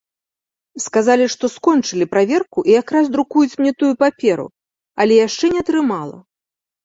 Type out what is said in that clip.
Сказалі, што скончылі праверку і якраз друкуюць мне тую паперу, але яшчэ не атрымала.